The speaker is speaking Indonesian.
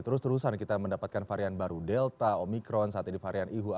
terus terusan kita mendapatkan varian baru delta omikron saat ini varian ihu